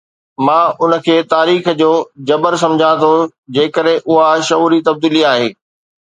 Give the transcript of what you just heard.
مان ان کي تاريخ جو جبر سمجهان ٿو جيڪڏهن اها شعوري تبديلي آهي.